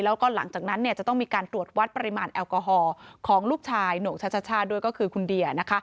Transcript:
แล้วก็หลังจากนั้นจะต้องมีการตรวจวัดปริมาณแอลกอฮอล์ของลูกชายหน่งช่าด้วยก็คือคุณเดีย